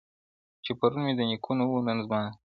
چي پرون مي د نيکونو وو، نن زما دی،،!